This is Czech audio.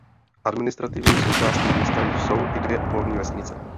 Administrativní součástí města jsou i dvě okolní vesnice.